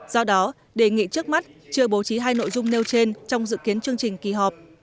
do đó đề nghị trước mắt chưa bố trí hai nội dung nêu trên trong dự kiến chương trình kỳ họp